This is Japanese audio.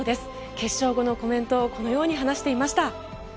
決勝後のコメントをこのように話していました。